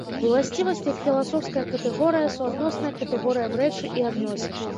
Уласцівасць як філасофская катэгорыя суадносная катэгорыям рэчы і адносін.